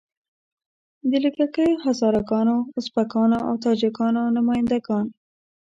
د لږه کیو هزاره ګانو، ازبکانو او تاجیکانو نماینده ګان.